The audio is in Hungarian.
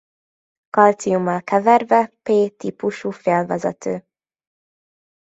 Kalciummal keverve p típusú félvezető.